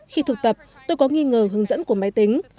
khi thực tập tôi có nghi ngờ hướng dẫn của máy tính